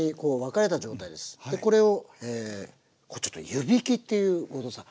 これをちょっと湯びきっていう後藤さん